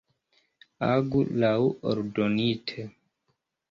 Agu laŭ ordonite.